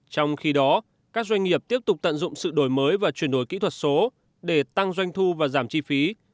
trong khi đó các doanh nghiệp tiếp tục tận dụng sự đổi mới và chuyển đổi kỹ thuật số để tăng doanh thu và giảm chi phí